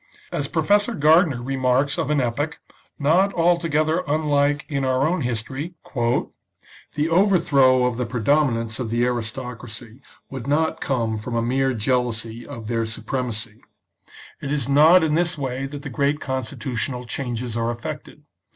As Professor Gardiner ^ remarks of an epoch, not altogether unlike in our own history, " the overthrow of the predomin ance of the aristocracy would not come from a mere jealousy of their supremacy. It is not in this way that great constitutional changes are effected.